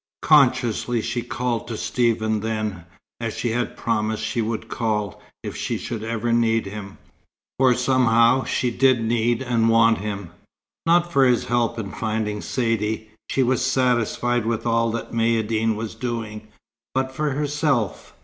Consciously she called to Stephen then, as she had promised she would call, if she should ever need him, for somehow she did need and want him; not for his help in finding Saidee: she was satisfied with all that Maïeddine was doing but for herself.